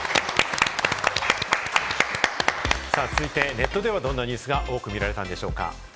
続いてネットではどんなニュースが多く見られたんでしょうか？